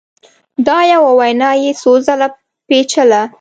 دا یوه وینا یې څو ځله پېچله